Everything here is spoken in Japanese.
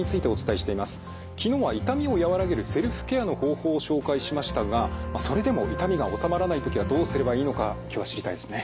昨日は痛みを和らげるセルフケアの方法を紹介しましたがそれでも痛みが治まらない時はどうすればいいのか今日は知りたいですね。